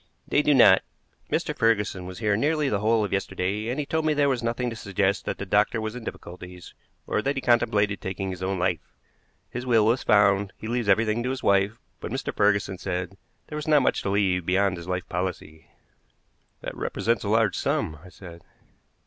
"They do not. Mr. Ferguson was here nearly the whole of yesterday, and he told me there was nothing to suggest that the doctor was in difficulties, or that he contemplated taking his own life. His will was found. He leaves everything to his wife, but Mr. Ferguson said there was not much to leave beyond his life policy." "That represents a large sum," I said.